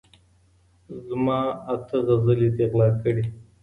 زما اته غزلي دي غلا كړي